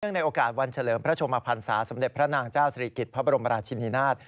ในโอกาสวันเฉลิมพระชมพันศาสมเด็จพระนางเจ้าศรีกิจพระบรมราชินินาศ